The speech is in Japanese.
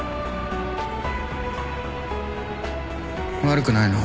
悪くないな。